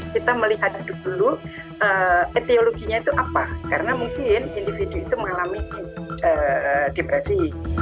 kita melihat duduk dulu etiologinya itu apa karena mungkin individu itu mengalami depresi